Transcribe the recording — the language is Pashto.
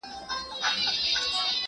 کتابونه د تمدن نښه ده.